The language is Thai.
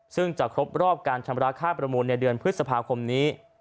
ซึ่งจะครบรอบการชำระค่าประมูลในเดือนพฤษภาคมนี้